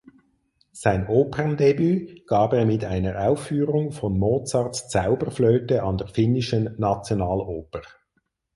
Sein Operndebüt gab er mit einer Aufführung von Mozarts Zauberflöte an der Finnischen Nationaloper.